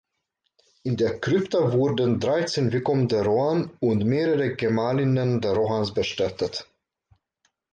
In der Krypta wurden dreizehn Vicomtes de Rohan und mehrere Gemahlinnen der Rohans bestattet.